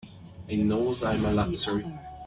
I knows I'm a luxury.